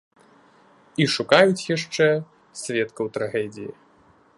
І шукаюць яшчэ сведкаў трагедыі.